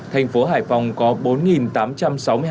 thành phố hải phòng có bốn tám trăm linh sân